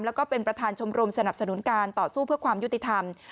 แล้วก็เป็นประธานชมรมสนับสนุนการต่อสู้เพื่อความยุติธรรม